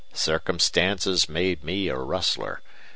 "Circumstances made me a rustler.